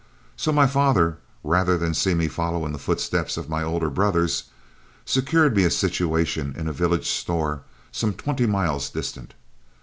So my father, rather than see me follow in the footsteps of my older brothers, secured me a situation in a village store some twenty miles distant.